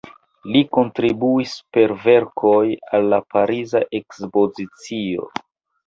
Li kontribuis per verkoj al la Pariza Ekspozicio.